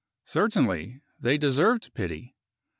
"Certainly! They deserved pity."